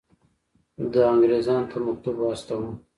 ده انګرېزانو ته مکتوب واستاوه.